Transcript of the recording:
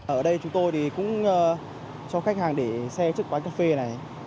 ở đây chúng tôi thì cũng cho khách hàng để xe trước quán cà phê này